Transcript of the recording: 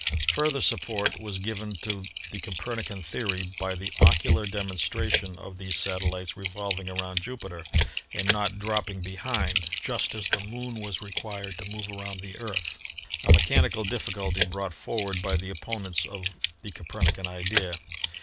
Further support was given to the Copernican theory by the ocular demonstra tion of these satellites revolving around Jupiter and not dropping behind, just as the Moon was required to move around the Earth, a mechanical difficulty brought forward by the opponents of the Copernican idea.